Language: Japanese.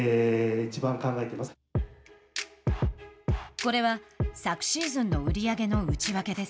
これは昨シーズンの売上の内訳です。